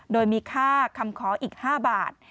โดยมีค่าคำขออีก๕บาท